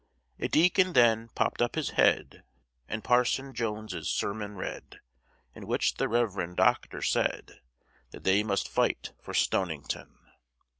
A deacon then popp'd up his head, And parson Jones's sermon read, In which the reverend doctor said That they must fight for Stonington.